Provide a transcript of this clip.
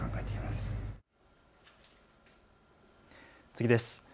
次です。